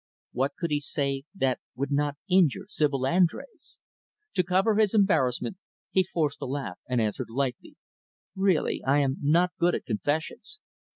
What could he say that would not injure Sibyl Andrés? To cover his embarrassment, he forced a laugh and answered lightly, "Really, I am not good at confessions."